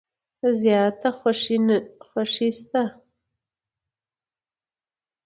زیاته خوشي شته .